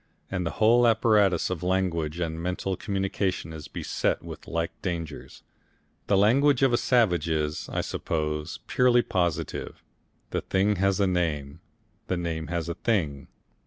And the whole apparatus of language and mental communication is beset with like dangers. The language of the savage is, I suppose, purely positive; the thing has a name, the name has a thing.